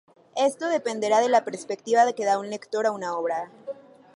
Esto dependerá de la perspectiva que da un lector a una obra.